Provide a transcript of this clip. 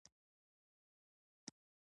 افغانستان له زردالو ډک دی.